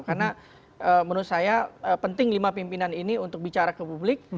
karena menurut saya penting lima pimpinan ini untuk bicara ke publik